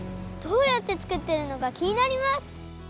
どうやって作っているのかきになります！